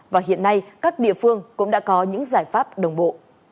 và hiện nay các địa phương cũng đã có những giải pháp đồng bộ